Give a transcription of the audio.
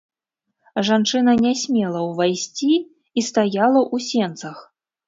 Жанчына не смела ўвайсці і стаяла ў сенцах.